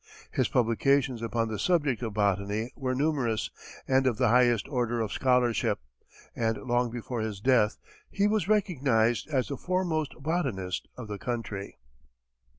His publications upon the subject of botany were numerous and of the highest order of scholarship, and long before his death he was recognized as the foremost botanist of the country.